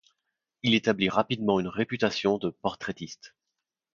Il établit rapidement une réputation de portraitiste.